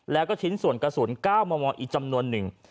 แล้วก็ชิ้นส่วนกระสุน๙มมอีกจำนวนหนึ่ง